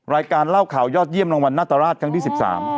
รายการเล่าข่าวยอดเยี่ยมรางวัลนาตราชครั้งที่๑๓